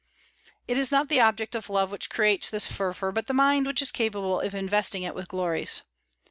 It is not the object of love which creates this fervor, but the mind which is capable of investing it with glories.